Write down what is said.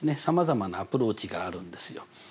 さまざまなアプローチがあるんですよ。